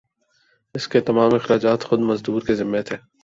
اس کے تمام اخراجات خود مزدور کے ذمہ تھے